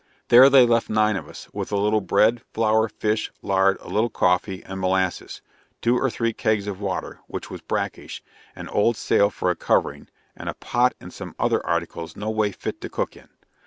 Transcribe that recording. There they left nine of us, with a little bread, flour, fish, lard, a little coffee and molasses; two or three kegs of water, which was brackish; an old sail for a covering, and a pot and some other articles no way fit to cook in.